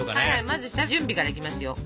まず下準備からいきますよ。